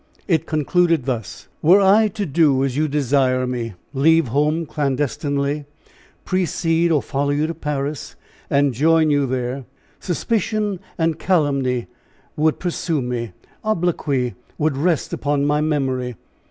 It concluded thus: "Were I to do as you desire me leave home clandestinely, precede or follow you to Paris and join you there, suspicion and calumny would pursue me obloquy would rest upon my memory.